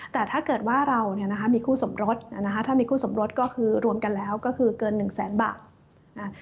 แต่ถ้าเกิดว่าเรามีคู่สมรสก็คือรวมกันแล้วก็คือเกิน๑๐๐๐๐๐บาท